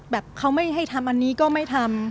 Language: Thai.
แบบเขาไม่ให้ทำอันนี้ก็ไม่ทำ